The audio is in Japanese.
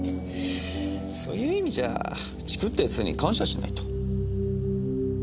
そういう意味じゃチクった奴に感謝しないと。